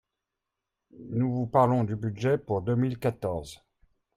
Nous vous parlons du budget pour deux mille quatorze